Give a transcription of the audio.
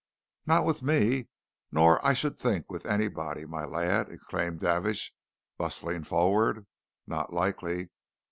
"Not with me, nor I should think with anybody, my lad," exclaimed Davidge, bustling forward. "Not likely!